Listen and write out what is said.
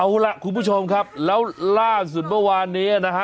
เอาล่ะคุณผู้ชมครับแล้วล่าสุดเมื่อวานนี้นะฮะ